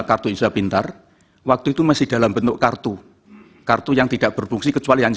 kartu indonesia pintar waktu itu masih dalam bentuk kartu kartu yang tidak berfungsi kecuali yang